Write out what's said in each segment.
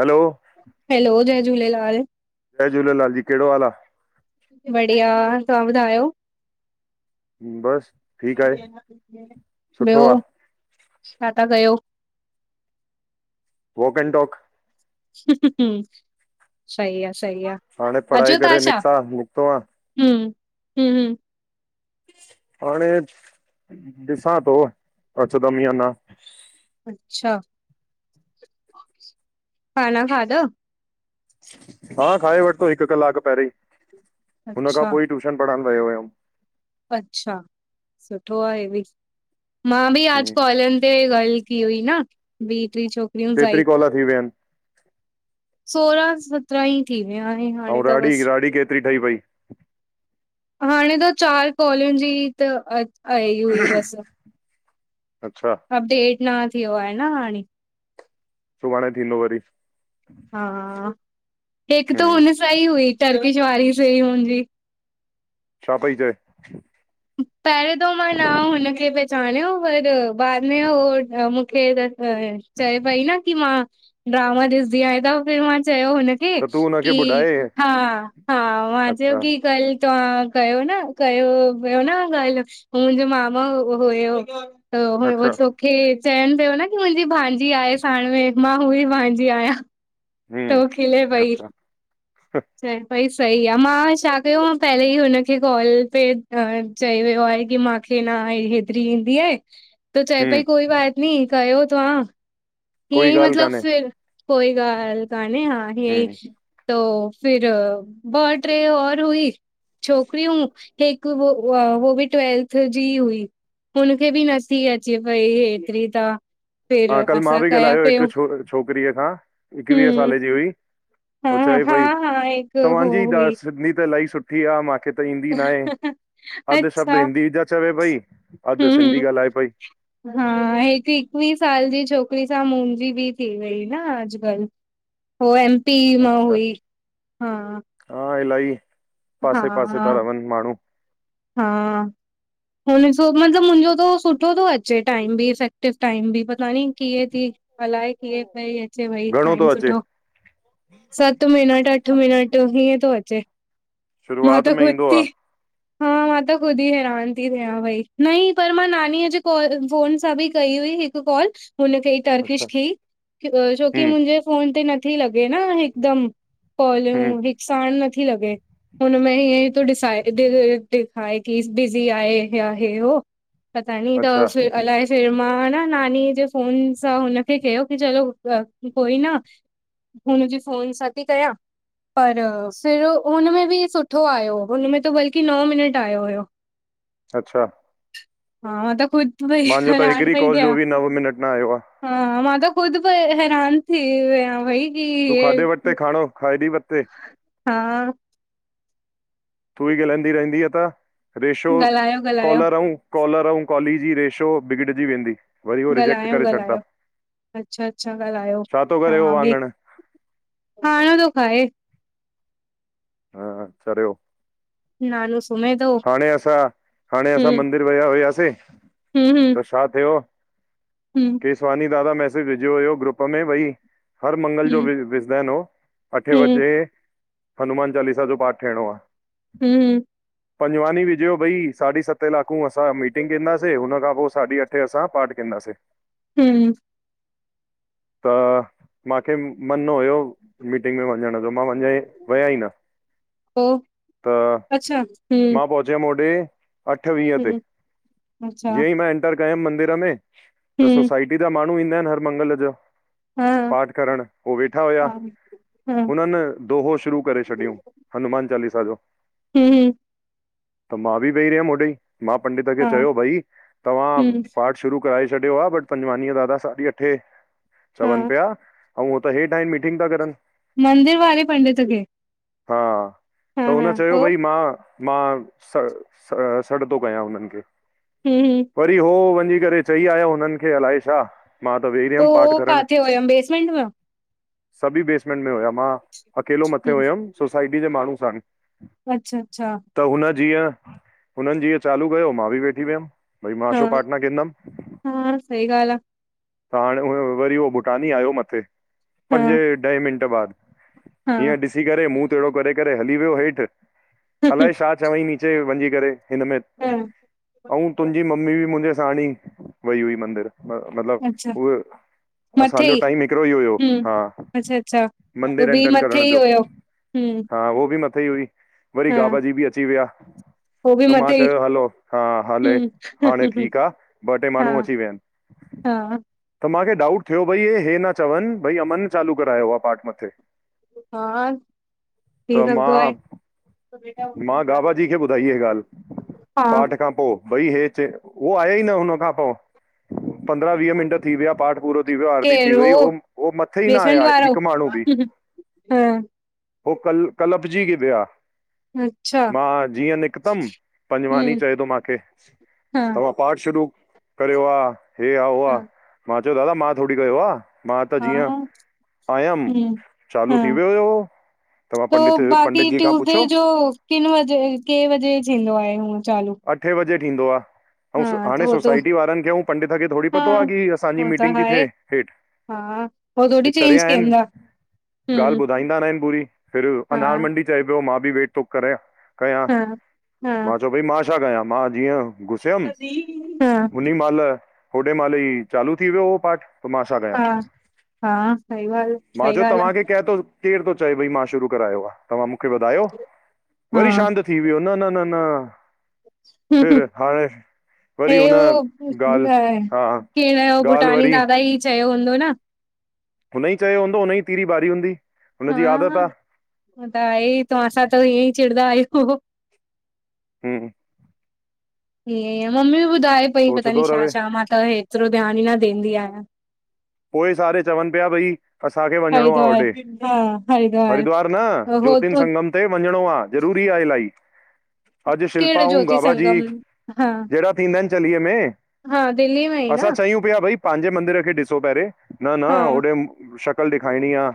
Hello. Hello, जय झूलेलाल। जय झूलेलाल जी। कहिड़ो हालु आह? बढ़िया। तव्हां ॿुधायो? बसि। ठीकु आहे सुठो ॿियो, आहे छा था कयो? Walk and talk. हूहूहूं सही आह। हाणे पढ़ाई करे निकिता, निकितो आह। हू, हूम, हाणे ॾिसां थो, अचंदम या न। अच्छा। खाना खाधव? हा खाई वरितो हिकु कलाकु पहिरीं। हून खां अच्छा, पोह ही टयूशन पढ़णु वियो हुयमि अच्छा। सुठो आहे हे भी। मां भी आज कॉलन ते ॻाल की हुई न, ॿीह, टीह छोकरी केतिरी कॉल थी विया आहिनि? सोलहां सत्रहां ही थी विया आहिन हाणे ऐं त राड़ी बसि। राड़ी केतिरी ठही पई हाणे त चार कॉलन जी ही त आई हुई बसि। अच्छा अपडेट ना थियो आहे न हाणे सुभाणे थींदो वरी हा हिकु त हम्म, हुन सां ही हुई टरविश वारी से ही हुन जी छा पई चए? पहिरियों त मां न हुनखे पहचाणियो पर बाद में हो मूंखे चए पई न की मां ड्रामा ॾिसदी आहया हेडा फिर मां चयो हुन खे त तूं हुनखे की ॿुधाए हा, हा मां चयो अच्छा की कल तव्हां कयो न कयो वियो न ॻाल्हि मुंहिंजो मामा हुयो त हो अच्छा तोखे चइनि पियो न की मुंहिंजी भांजी आहे साण में, मां हूई भांजी आहियां हम्म तो खिले पई अच्छा हम्म चए पई सही आ, मां छा कयो मां पहिले ई हुनखे कॉल ते चई वियो आहे की मां खे न हेतिरी ईंदी आए त चए पई कोई बात नी कयो तव्हां हीअं कोई ई ॻाल्हि मतलब, कान्हे फिर कोई ॻाल्हि कान्हे हा हीअं ई हम्म तो फिर ब ट्रे और हुई छोकरीयूँ हिकु हो ऊहा हो बि ट्वेल्थ जी हुई हुनखे बि नथी अचे पई हेतिरी त फिर हा कल मां असां बि कया ॻाल्हायो पियो हिकु छो छोकिरीअ सां एकवीह हम्म साल जी हुई हा हो चहे हा पई हा हिक हो तव्हांजी जा हुई सिधी त इलाही सुठी सुठी आ मांखे त ईंदी नाहे, अध शब्द अच्छा हिंदी जा चवे पई अधु हम्म सिंधी ॻाल्हाए पई हा हिकु एकवीह साल जी छोकिरी सां मुंहिंजी बि थी वई न अॼकल्ह हो एम पी मां अच्छा हुई हा हा इलाही हा पास- पासे था रहवन माण्हू हा हुनिसो मतलबु मुंहिंॼो त हो सुठो थो अचे टाइम ॿि इफेक्टिव टाइम बि पता नी कीअं ती अलाए कीयें पई अचे भई घणो थो टाइम अचे सुठो सत मिनट, अठ मिनट हीअं तो अचे मां शुरूआत त में ख़ुदि ईंदो आ थी हा मां त खुद ई हैरान थीं थियां भई न ईं पर मां नानीअ ॼे कॉल फोन सां ॿि कई हुई हिक् हिक कॉल हुनखे इ अच्छा टर्किश खे ई अ छोकी हूं मुंहिंजे फोन ते नथी लॻे न हिकदमि कालियूं हूं हिकु सांण नथी लॻे हुनमें हीअं ई तो ॾिसाइ ॾि ई ॾिखाए कि ॿिॼी़ आए या हे हो पता नी त अच्छा फिर अलाए फिर मां न नानीअ जे फोन सां हुनखे कयो की चलो अ कोई ना हुनिजी फोन सां ती कयां पर फिर उनमें ॿि सुठो आयो हुनमें त बल्कि नओं मिन निट आयो हुयो अच्छा हां त खुद मांजो त हिकिरी कॉल ॼो ॿि नव मिनट न आयो आ हा मां त ख़ुदि पै हैरान थी व्यां भई की तूं हे खाधे वट्ते खाणों खाइदी वते हा तूं ई ॻालांइंदी रहंदीय त, रेशो, ॻाल्हायो ॻाल्हायो कॉलर अऊं कॉलर अऊं कॉली ॼी रेशो बिगिड़ॼी वेंदी। वरी उहो रिजेक्ट ॻाल्हायो करे छॾंदा ॻाल्हायो, अच्छा अच्छा ॻाल्हायो, छा थो करे उहो तव्हां ॿि। वाङण खाणो तो खाए। हा चरियो। नालो सुमेत हाणें असां, हाणें असां मंदिर विया हुया से हुं हुं। त छा थियो हूं। केसवानी दादा मैसेॼ विझयो हुयो ग्रुप में भई हर मंगल ॼो हूं विज् विझदा आहिनि हो, अठे वॼे हनुमान चालीसा ॼो पाठ थियणो आ। हूं हूं। पंजवानी विझयो भई साढी सते लाकूं असां मीटिंग केंदासे हुनखां पो साढी अठे असां पाठ केंदासें। हूं। त माखे मन हुयो मीटिंग में वञण ॼो मां वञें वयाई न। पो, त अच्छा हूं मां पोहचयुमि होॾे अठ वीह ते, हूं अच्छा ॼीअंई मां एन् -टर कयमि मंदिर में, त हूं सोसाइटी जा माण्हूं ईंदा आहिनि हर मंगल जो हा पाठ करण, हो वेठा हुया, हा हा हूं हुननि दोहो शुरू करे छॾयऊं, हनुमान चालीसा जो हुं हुं। त मां ॿि वेही रहियमि होॾे, ई, मां पंडित खे हा चयो भई, तव्हां हूं पाठ शुरू कराए छॾियो आ बट पंजवानीअ दादा साढी अठे, हा चवनि पिया अऊं हो त हेठ आइनि मीटिंग ता करनि। मंदिर वारे पंडित खे? हा, हा त हा हुन पो चयो भई मां मां, स स सॾ तो कयां हुननि खे। हुं हुं। वरी हो वञी करे चई आयो हुननि खे अलाए छा? मां त वेही पो रहियमि पाठ हो करण काथे हुयम बेसमेंट में सभी बेसमेंट में हुया मां, अकेलो मथे हूं हुयुमि सोसाइटी जे माण्हू साण अच्छा अच्छा। त हुन जीअं, हुननि जीअं चालू कयो मां बि वेठी वियमि। भई मां हा छो पाठ ना कंदुमि। हा सही ॻाल्हि त हाणे, वरी उहो भूटानी आयो मथे आ पंजे ॾह मिंट बाद, हा हा हीअं ॾिसी करे मुंहं टेड़ो करे करे हली वियो हेठि अलाए छा चवईं नीचे वञझी करे हिन में, हा अऊं तुंहिंजी मम्मी बि मुंहिंजे साणी वई हुई मंदिर मतिलब, अच्छा उहे असांजो टाइम हिकिड़ो ई हुयो, हूं हा, अच्छा अच्छा हो मंदरु बि एंटर मथे करण ई जो हुयो हूं हा उहो बि मथे ई हुई, वरी हा गाबा जी बि अची विया हो बि त मां मथे ई चयो हलो हा हले हूं हाणे ठीकु आहे। ॿ टे हा माण्हू अची विया आहिनि। हा। त मूंखे डाउट थियो भई इहे न चवनि भई अमन चालू करायो आ पार्ट मथे। हा थी त सघदो मां आहे। मां बाबा जी खे ॿुधाई हीअ ॻाल्हि, हा पाठ खां पो। भई हे चए उहो आया ई न हुन खां पो। पंद्रहं वीह मिंट थी विया, पाठ पूरो थी वियो, आरती केर थी हो वई, उह उह मथे ई न बेसमेंट आया वारो हिकु माण्हू बि। हा [inaudible] हो कल कलप जी विया। हम [inaudible] मां जीअं निकतमि, पंजवानी हुँ, चए थो मांखे, हाँ, तहां पाठ शुू कयो आ, हे आ, हाँ, मां चयो दादा मां थोड़ी कयो आ। मां त जीअं हा, आयमि, चालू थी वियो हुयो। तव्हां त पंडित बाक़ी पंडित जी खां ट्यूसडे पुछो जो किन वजे, के वजे थींदो आहे हूअ चालू? अठे बजे थींदो आहे। ऐं हा, त हाणे हो त सोसाइटी वारनि खे ऐं पंडित खे थोड़ी हा, पतो आ कि असांजी हो त मीटिंग ती आहे, थिए हेठ। हा उ थोड़ी चेंज कइंदा। ॻाल्हि ॿुधाईंदा न आहिन पूरी, फिर हा, अनार मंडी चए पियो मां बि वेट थो करां। कंया, हा, हा, हा, मां चयोओ बई मां छा कया? मां जीअं हा [inaudible] नि माल, होॾे माल ई चालू थी वियो उहो पाठ। त मा छा कयां, हा, हा, सही ॻाल्हि, मां सही चयो ॻाल्हि तव्हांखे कैं थो केर थो चए भई मां शुरू करायो आ, तव्हां मूंखे ॿुधायो, आ, वरी हा, शांत। थी वियो, न न न न फिर, हाणे! हे वरी हुन उ ॻाल्हि खण हा जो ॻाल्हि भुटानी वरी दादा ई चयो हूंदो न। हुन ई चयो हूंदो, हुन ई तीरी ॿारी हूंदी, हुनजी आदत आ। छा त आए तंवा सां त ईअं ई चिड़़ंदा आहियूं। हम [inaudible] ईअं ई मम्मी बि ॿुधाए पई पता नंइ सोचंदो छा- रहे छा, मां त एतिरो ध्यानु ई न ॾींदी आयां। पोइ सारे चवनि पिया, भई असांखे वञिणो आ हरिद्वार होॾे, हा हरिद्वार न हो ज्योतिन हो संगम। हुते वञिणो आ, ज़रूरी आ इलाही। अॼु शिल्पा केड़ अंऊं ज्योति बाबा जी संगम हा जहिड़ा थींदा आहिन चलीअ में। हा दिल्ली में ई न। कृपया भई पंहिंजे मंदर खे ॾिसो पहिरे! न न हा होॾे शकल दिखाएंणी आ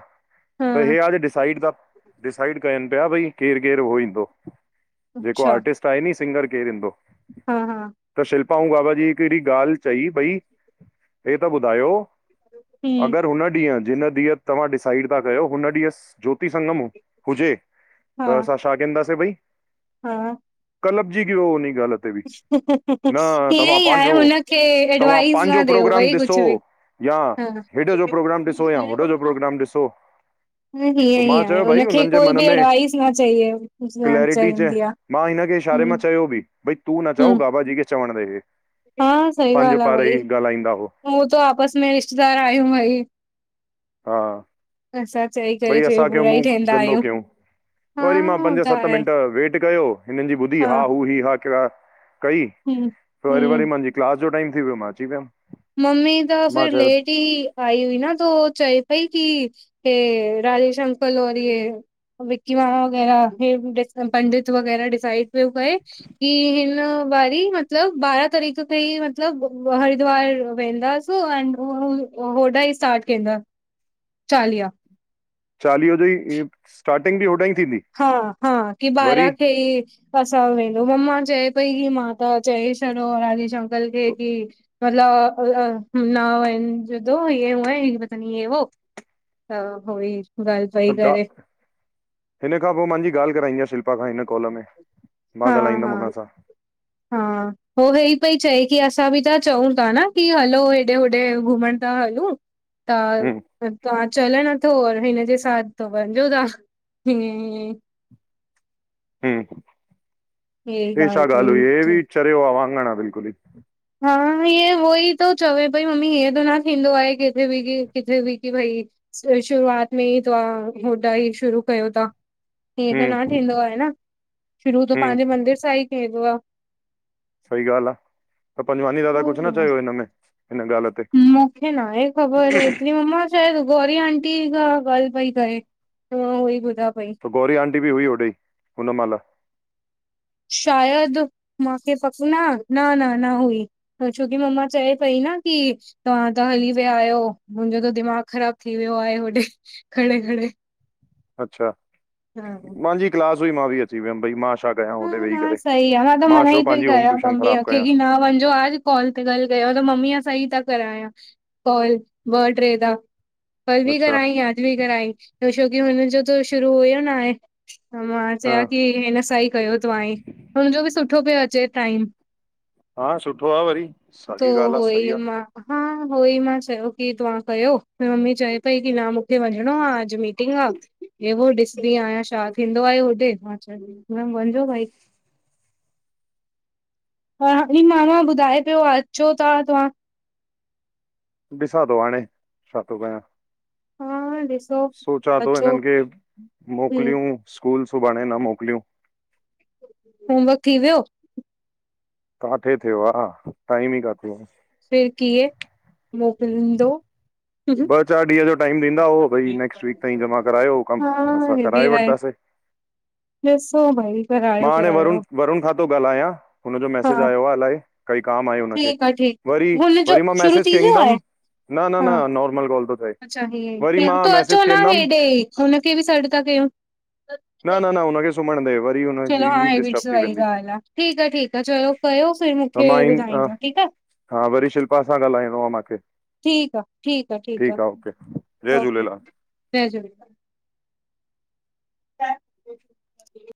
हा त हे आज डिसाइड त डिसाइड कयन पिया भई केर- केर उहो ईंदो, जेको अच्छा आर्टिस्ट - - नी सिंगर केरु ईंदो हा हा त शिल्प - - पा अंऊ बाबा जी हिकड़ी ॻाल्ह चई, भई हे त ॿुधायो - - अगर हम्म हुन ॾींह जिन ॾींहुं तव्हां डिसाइड था कयो हुन ॾींहुं ज्योति संगम हुजे - - हा त असां छा कहंदासीं भई - - हा कलपजी व्यो उनी ॻाल - - न ईअं तव्हां ई आहे पांजो, हुनखे तव्हां एडवाइस न पांजो ॾियो प्रोग्राम भई ॾिसो। कुझु बि या हा हेॾ जो प्रोग्राम ॾिसो या होॾ जो प्रोग्राम ॾिसो। न हिअं पोइ ई मां आ, चयो भई हुनखे हुननि जे कोई मन बि में एडवााइस न चाहिए न क्लैरिटी चए चाहींदी आ। मां हिन खे इशारे मां चयो बि भई तू न चओ हम्म बाबा जी खे चवण ॾे हे, हा सही ॻाल्ह आ भई हो हूं त आपस में रिश्तेदार आयूं भई - - हा असां चई करे भई फिर असांखे बुरा ई मूं ठहंदा गंदो आहियूं कयूं - - हा वरी मां हो पंज त सत आहे मिंट वेट कयो हिनन जी ॿुधी हा- हू- ही- हा- कहिड़ा कई हम्म वरी- वरी हम्म मांजी क्लास जो टाइम थी वियो मां अची वियम। मम्मी त फिर लेट - टी आई हुई न तो चए पई की हे राजेेश अंकल और इये - - विक्की मांमा वगैरह हे पंडित वगैरह डिसाइड - - पए की हिन वारी म - - मतलब बारहा तारीक़ तईं मतलब हरिद्वार - - वेंदास अउं होॾा ई स्टार्ट केंदा - - चालीहा- - चालीहो जी स्टार्टिंग बि होॾां ई थींदी - - हा- हा, की ॿारां खेई - - असां वेंदो मम्मा चए पई की मां त चए छॾियो राजेश अंकल खे की - - मतलब नाव इजो ऊ ह बतानी हे - [unintelligible] हा होई वाई फाई त गा करे - - हिन खां पो मांजी ॻाल्हि कराईंदी आ शिल्पा खां हिन कॉल में मां हा हा ॻाल्हाईंदमि हुन सां। हा। हो हे ई पई चए की असां बि त चऊं ता न की हलो हेॾे होॾे घुमण ता हलूं, त हम्म तव्हां चलण तो हिनजे साथ त वञजो ता हियं हियं हम्म- हे छा ॻाल्हि ॻाल्ह हुई पई हे चए बि चरियो आ वांगण आ बिल्कुल ई - - हा ईअं हो ई तो चवे पई मम्मी हिअं त न थींदो आहे किथे बि कि किथे बि की भई - - शुरूआत में ई त्हां होॾा ई शुरू कयो ता। हीअं त न हम्म थींदो आहे न शुरू त हम्म पंहिंजे मंदिर सां ई थींदो आ। सही ॻाल्ह आ, त पंजवानी दादा कुछ न उहोई आहे। चयो हिनमें हिन ॻाल्ह मूंखे नाहे ख़बर हेतरी मम्मा - - शायद गोौरी आंटी खां ॻाल्ह पई करे त मां उहो ई ॿुधां पई - - त गौरी आंटी बि हुई होॾे हुन महल, शायद मांखे पक न -न -न -न हुई, छोकी मम्मा चए पई न की तव्हां त हली विया आहियो, मुंहिंजो त दिमाग़ ख़राब थी वियो आहे, होॾे खड़े खड़े। अच्छा हा मांजी क्लास हुई मां बि अची वियम भई मां छा कयां होॾे हा वेही न करे सही आ मां त मना छो ई पई पंहिंजी होम कयां ट्यूशन मम्मीअ ख़राबु खे कयां की न वञजो आज कॉल ते ॻाल कयांउ त मम्मीअ सां ई त करायां कॉल ॿ ट्रे त कल बि अच्छा कराई आज बि कराई, छोकी हुननजो त शुरू हुयो नाहे मां हा चयो की हिन सा ई कयो तव्हां ई हुनजो बि सुठो पयो अचे टाइम, हा सुठो आ वरी तो साॻी ॻाल्हि आ उहो सही ई आ। मां हा उहो ई मां चयो कि तव्हां कयो, मम्मी चए पई कि न मूंखे वञिणो आ, अॼु मीटिंग आ। हे वो ॾिसदी आहियां छा थींदो आहे होॾे हा वञिजो भाई। हाणी मामा ॿुधाए पियो, अचो ता तहां। ॾिसां तो हाणे, छा तो कयां? हा ॾिसो सोचां थो, अचो हिननि खे हूं मोकिलियूं। स्कूल सुभाणे न मोकिलियूं। होमवर्क थी वियो? काथे थियो आ, टाइम ई काने। फिर कीअं मोकिलींदो? चार ॾींहं जो टाइम ॾींदा हो, भई नैक्स्ट वीक ताईं जमा करायो कमु, हा असां हे बि कराए आहे वठंदासीं। ॾिसो भई करायो मां हाणे करायो वरुण, वरुण खां थो ॻाल्हायां, हुनजो मैसेज हा आयो आहे, अलाहे कई काम आहे हुनखे, ठीकु आहे वरी ठीकु हुनजो वरी मां शुरू मैसेज थी वियो आहे कंदुमि, न न हा न नॉर्मल कॉल थो थिए, अच्छा वरी हीअ, मां त अचो मैसेज न कंदमि हेॾे, हुनखे बि सॾु था कयूं। न न न हुनखे सुम्हण ॾे, वरी चलो हुनजी हा नींद हे ॿि डिस्टर्ब थी सही वेंदी। ॻाल्हि आ, ठीकु आ, ठीकु आ, चलो कयो फिर त मूंखे मां इन ॿुधाइजो। ठीकु आ। हा, वरी शिल्पा सां ॻाल्हाइणो आ मांखे। ठीकु आ, ठीकु आ, ठीकु आ, जय ओके झूलेलाल। जय झूलेलाल। छा [unintelligible]